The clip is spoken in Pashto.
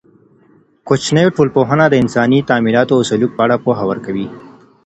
کوچنۍ ټولنپوهنه د انساني تعاملاتو او سلوک په اړه پوهه ورکوي.